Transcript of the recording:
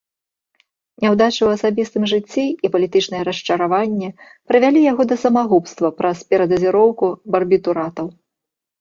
Няўдачы ў асабістым жыцці і палітычнае расчараванне прывялі яго да самагубства праз перадазіроўку барбітуратаў.